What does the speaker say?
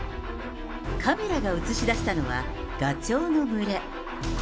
カメラが映し出したのは、ガチョウの群れ。